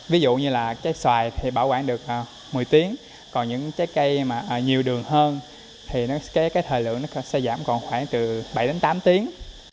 ví dụ như là trái xoài thì bảo quản được một mươi tiếng còn những trái cây mà nhiều đường hơn thì cái thời lượng nó sẽ giảm còn khoảng từ bảy đến tám tiếng